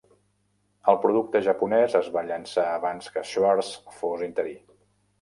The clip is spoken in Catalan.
El producte japonès es va llançar abans que Schwartz fos interí.